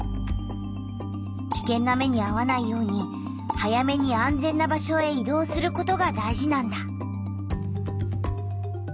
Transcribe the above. きけんな目にあわないように早めに安全な場所へ移動することが大事なんだ。